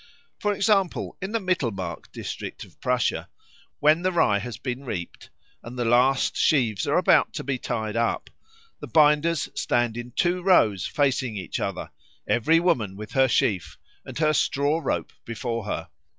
For example, in the Mittelmark district of Prussia, when the rye has been reaped, and the last sheaves are about to be tied up, the binders stand in two rows facing each other, every woman with her sheaf and her straw rope before her.